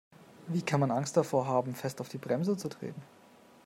Wie kann man Angst davor haben, fest auf die Bremse zu treten?